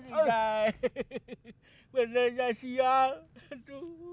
jodhai beneran siang